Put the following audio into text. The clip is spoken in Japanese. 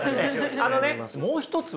あのねもう一つはね